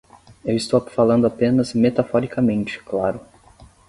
Eu estou falando apenas metaforicamente, claro.